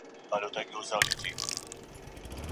ډاکټر د لوړ ږغ سره پاڼه ړنګه نه کړه.